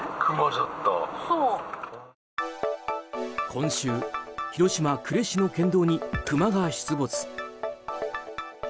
今週、広島・呉市の県道にクマが出没。